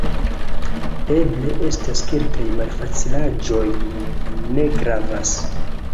Eble estas kelkaj malfacilaĵoj... ne gravas.